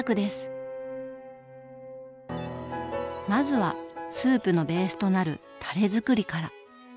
まずはスープのベースとなるタレづくりから。